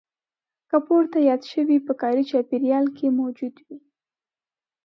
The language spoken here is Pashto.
که پورته یاد شوي په کاري چاپېریال کې موجود وي.